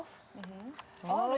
oh bisa di iwi